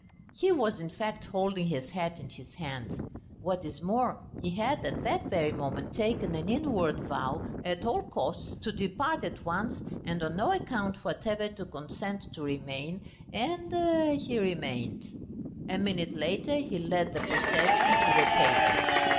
He was, in fact, holding his hat in his hands. What is more, he had at that very moment taken an inward vow at all costs to depart at once and on no account whatever to consent to remain, and ... he remained. A minute later he led the procession to the table.